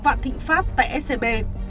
vạn thịnh pháp tại scb